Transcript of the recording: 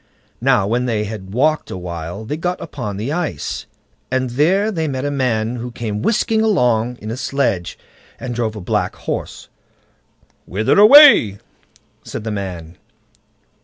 Now when they had walked a while they got upon the ice, and there they met a man who came whisking along in a sledge, and drove a black horse. "Whither away?" said the man.